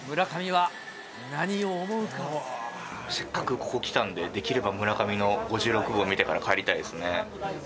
せっかくここ来たので、できれば村上の５６号を見てから帰りたいですね。